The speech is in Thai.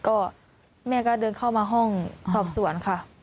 ก็แม่ก็เดินเข้ามาห้องสอบสวนค่ะ